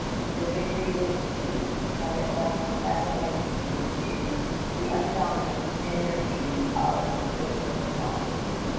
The victory was complete; but it left as a legacy to New France the undying enmity of the Iroquois.